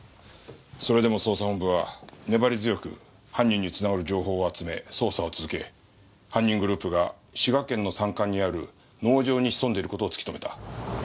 それでも捜査本部は粘り強く犯人に繋がる情報を集め捜査を続け犯人グループが滋賀県の山間にある農場に潜んでる事を突き止めた。